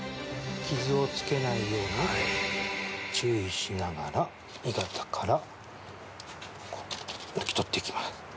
傷をつけないように注意しながら鋳型から抜き取っていきます。